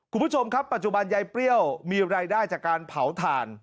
คุณผู้ชมครับปัจจุบันยายเปรี้ยวมีรายได้จากการเผาถ่าน